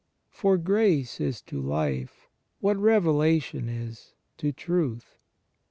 For Grace is to Life, what Revelation is to Truth.